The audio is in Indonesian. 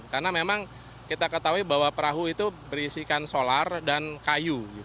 karena memang kita ketahui bahwa perahu itu berisikan solar dan kayu